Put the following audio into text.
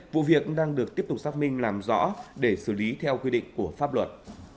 vụ việc đang được tiếp tục xác minh làm rõ để xử lý theo quy định của pháp luật